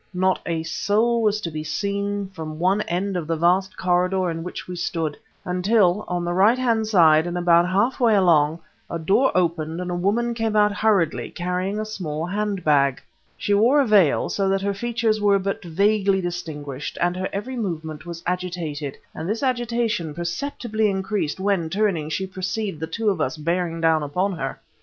Not a soul was to be seen from end to end of the vast corridor in which we stood ... until on the right hand side and about half way along, a door opened and a woman came out hurriedly, carrying a small hand bag. She wore a veil, so that her features were but vaguely distinguished, but her every movement was agitated; and this agitation perceptibly increased when, turning, she perceived the two of us bearing down upon her.